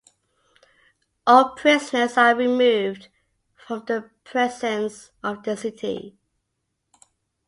All prisoners are removed from the precincts of the city.